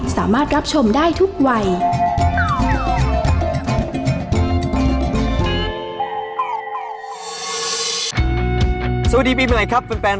สวัสดีคนใหม่ครับแฟน